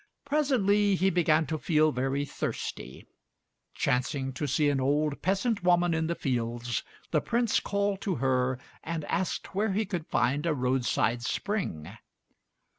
Presently he began to feel very thirsty. Chancing to see an old peasant woman in the fields, the Prince called to her and asked where he could find a roadside spring.